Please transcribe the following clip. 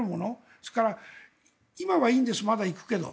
それから、今はいいんですまだ行くけど。